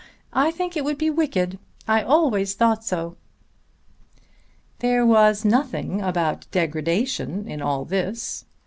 I think it would be wicked. I always thought so." There was nothing about degradation in all this.